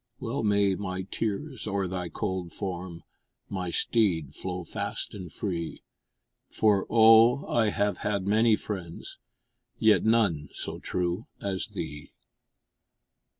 Well may my tears o'er thy cold form, My steed, flow fast and free, For, oh! I have had many friends, Yet none so true as thee!